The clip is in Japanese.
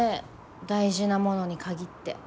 大事なものに限って。